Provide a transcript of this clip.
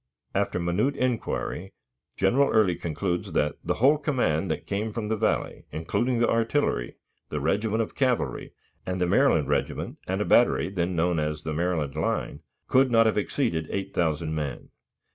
After minute inquiry, General Early concludes that "the whole command that came from the Valley, including the artillery, the regiment of cavalry, and the Maryland regiment and a battery, then known as 'The Maryland Line,' could not have exceeded 8,000 men."